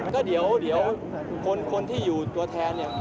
ก็เดี๋ยวคนที่อยู่ตัวแทนเนี่ย